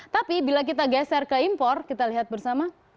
tapi bila kita geser ke impor kita lihat bersama